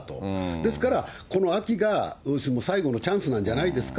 ですから、この秋が最後のチャンスなんじゃないですか？